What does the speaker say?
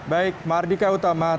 baik mardika utama terima kasih